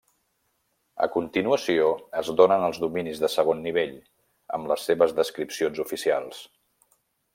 A continuació es donen els dominis de segon nivell, amb les seves descripcions oficials.